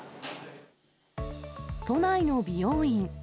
都内の美容院。